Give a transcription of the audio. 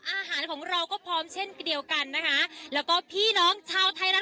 อาหารของเราก็พร้อมเช่นเดียวกันนะคะแล้วก็พี่น้องชาวไทยรัฐ